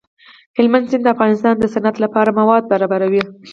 هلمند سیند د افغانستان د صنعت لپاره مواد برابروي.